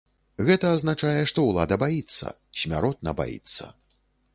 Гэта азначае, што ўлада баіцца, смяротна баіцца.